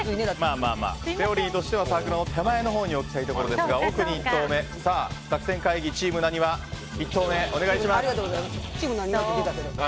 セオリーとしてはサークルの手前のほうに置きたいんですが奥に１投目、作戦会議チームなにわ１投目、お願いします。